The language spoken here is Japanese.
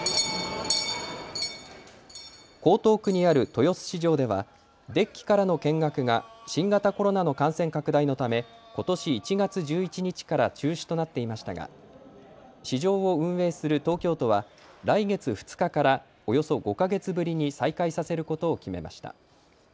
江東区にある豊洲市場ではデッキからの見学が新型コロナの感染拡大のため、ことし１月１１日から中止となっていましたが市場を運営する東京都は来月２日からおよそ５か月ぶりに再開させることを決めました。